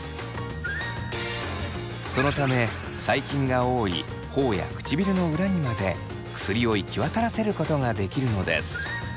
そのため細菌が多いほおや唇の裏にまで薬を行き渡らせることができるのです。